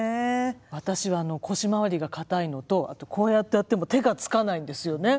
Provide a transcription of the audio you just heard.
私は腰周りがかたいのとあとこうやってやっても手がつかないんですよね。